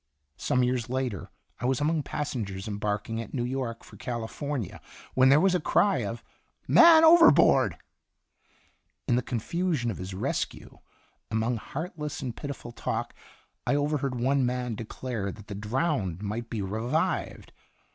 '" Some years later, I was among passengers embarking at New York for California, when there was a cry of " Man overboard !" In the confusion of his rescue, among heartless and Qln Itinerant pitiful talk, I overheard one man declare that the drowned might be revived.